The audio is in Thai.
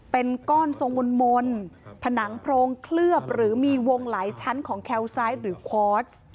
เป็นก้อนทรงมนต์ผนังโพรงเคลือบหรือมีวงหลายชั้นของแคลไซส์หรือคอร์ส